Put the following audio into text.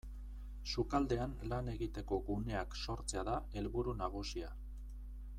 Sukaldean lan egiteko guneak sortzea da helburu nagusia.